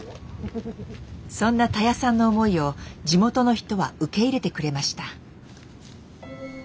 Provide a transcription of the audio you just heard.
そんなたやさんの思いを地元の人は受け入れてくれました。